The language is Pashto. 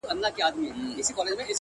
ژوندي ته ساز ښه دی،